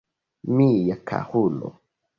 Mia karulo!